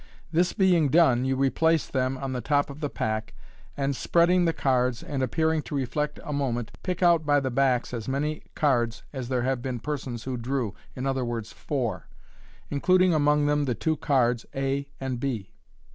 This being done, you replace them on the top of the pack, and, spreading the cards, and appearing to reflect a moment, pick out by the backs as many cards as there have been persons who drew (t.e., four) including among them the two cards a and b.